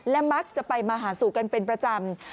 และมักจะไปมาหาสู่กันเป็นประจำ